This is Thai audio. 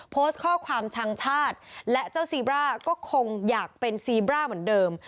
โพสต์ข้อความชังชาติและเจ้าซีบร่าก็คงอยากเป็นซีบร่าเหมือนเดิม